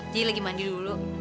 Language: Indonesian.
jadi lagi mandi dulu